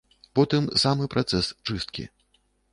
Потым самы працэс чысткі.